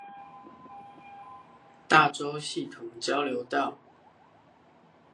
大洲系統交流道